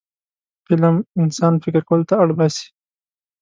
فلم انسان فکر کولو ته اړ باسي